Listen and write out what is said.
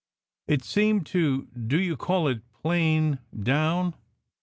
It seemed to do you call it plane* down?